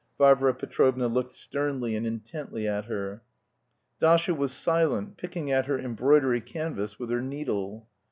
Varvara Petrovna looked sternly and intently at her. Dasha was silent, picking at her embroidery canvas with her needle.